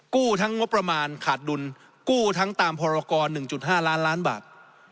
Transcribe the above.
กู้ทั้งงบประมาณขาดดุลกู้ทั้งตามพรากรหนึ่งจุดห้าล้านล้านบาท